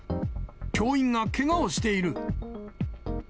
教員がけがをしている。